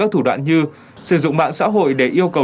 thủ đoạn như sử dụng mạng xã hội để yêu cầu